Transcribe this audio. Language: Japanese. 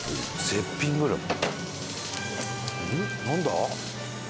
絶品グルメ？